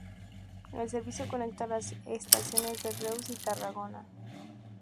El servicio conecta las estaciones de Reus y Tarragona.